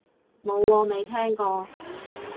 冇喎，未聽過